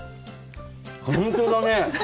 本当だね！